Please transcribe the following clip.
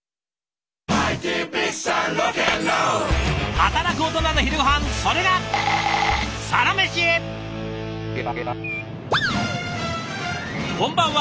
働くオトナの昼ごはんそれがこんばんは。